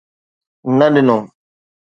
نه ڏنو